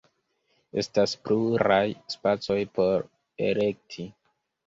Estas pluraj spacoj por elekti.